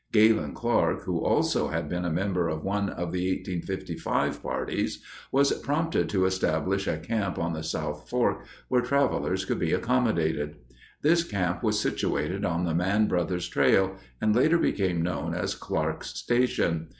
Galen Clark, who also had been a member of one of the 1855 parties, was prompted to establish a camp on the South Fork where travelers could be accommodated. This camp was situated on the Mann Brothers' Trail and later became known as Clark's Station.